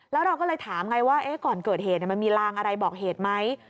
แล้วเราก็เลยถามไงว่าก่อนเกิดเหตุมันมีลางอะไรบอกเหตุไหม